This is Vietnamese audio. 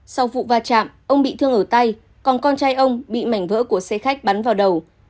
sau vụ va chạm ông bị thương ở tay còn con trai ông bị mảnh vỡ của xe khách bắn vào đầu